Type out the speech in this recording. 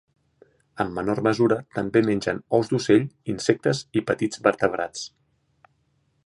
En menor mesura, també mengen ous d'ocell, insectes i petits vertebrats.